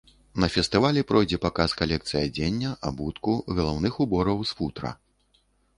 На фестывалі пройдзе паказ калекцый адзення, абутку, галаўных убораў з футра.